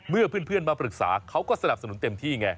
เพื่อนมาปรึกษาเขาก็สนับสนุนเต็มที่ไง